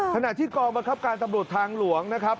ขณะที่กองบังคับการตำรวจทางหลวงนะครับ